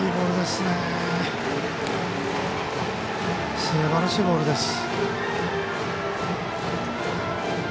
すばらしいボールです。